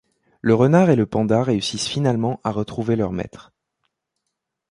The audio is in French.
Le renard et le panda réussissent finalement à retrouver leur maître.